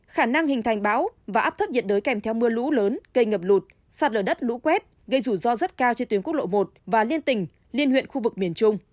khả năng hình thành bão và áp thấp nhiệt đới kèm theo mưa lũ lớn gây ngập lụt sạt lở đất lũ quét gây rủi ro rất cao trên tuyến quốc lộ một và liên tỉnh liên huyện khu vực miền trung